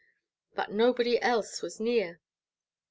But nobody else was near.